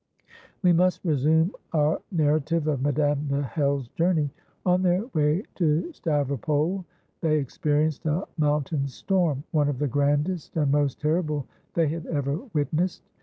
We must resume our narrative of Madame de Hell's journey. On their way to Stavropol, they experienced a mountain storm, one of the grandest and most terrible they had ever witnessed.